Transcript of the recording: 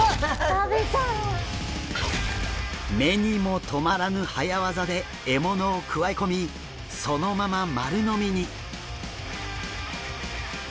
目にもとまらぬ早ワザで獲物をくわえ込みそのまま丸飲みに！